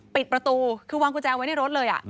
ปิดประตูคือวางกุญแจเอาไว้ในรถเลย